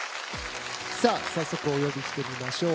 早速、お呼びしていきましょう。